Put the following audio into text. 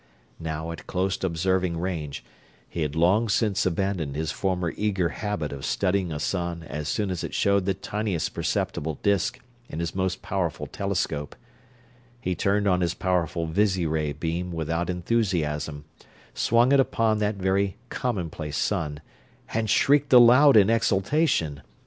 Now at close observing range he had long since abandoned his former eager habit of studying a sun as soon as it showed the tiniest perceptible disk in his most powerful telescope he turned on his powerful visiray beam without enthusiasm, swung it upon that very commonplace sun, and shrieked aloud in exultation.